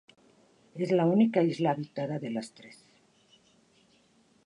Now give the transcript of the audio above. Es la única isla habitada de las tres.